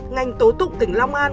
ngành tố tục tỉnh long an